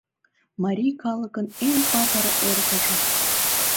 Марий калыкын эн патыр эргыже!